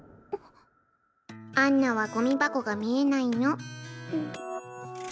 杏奈はゴミ箱が見えないの？